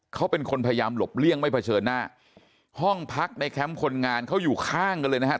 เขาเป็นคนพยายามหลบเลี่ยงไม่เผชิญหน้าห้องพักในแคมป์คนงานเขาอยู่ข้างกันเลยนะครับ